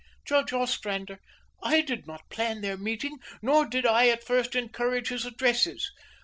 "Judge Ostrander, I did not plan their meeting, nor did I at first encourage his addresses.